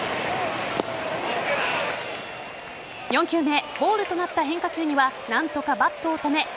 ４球目ボールとなった変化球には何とかバットを止め